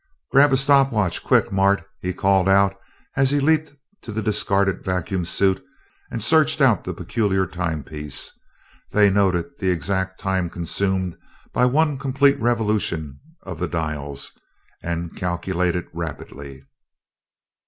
"Grab a stopwatch quick, Mart!" he called, as he leaped to the discarded vacuum suit and searched out the peculiar timepiece. They noted the exact time consumed by one complete revolution of one of the dials, and calculated rapidly.